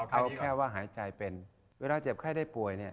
เอาแค่ว่าหายใจเป็นเวลาเจ็บไข้ได้ป่วยเนี่ย